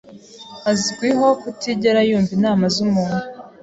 azwiho kutigera yumva inama z'umuntu.